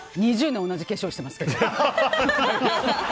２０年同じ化粧してますけど。